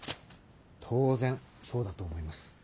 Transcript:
当然そうだと思います。